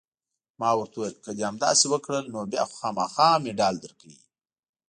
ما ورته وویل: که دې همداسې وکړل، نو بیا خو خامخا مډال درکوي.